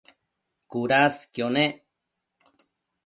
cudasquio nec